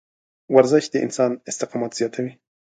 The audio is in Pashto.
ورزش د انسان استقامت زیاتوي.